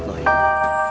trik itu siasatnya